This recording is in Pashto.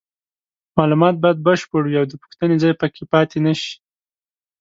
معلومات باید بشپړ وي او د پوښتنې ځای پکې پاتې نشي.